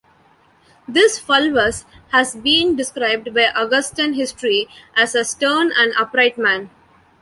This Fulvus has been described by Augustan History as a "stern and upright man".